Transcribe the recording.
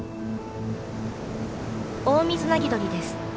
オオミズナギドリです。